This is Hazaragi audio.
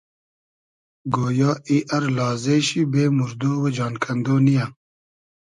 گۉیا ای ار لازې شی بې موردۉ و جان کئندۉ نییۂ